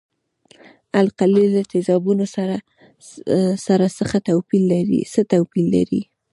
القلي له تیزابو سره څه توپیر لري.